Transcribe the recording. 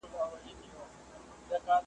د حافظې، شعور او بقا مسئله ګڼله